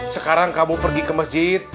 sekarang kamu pergi ke masjid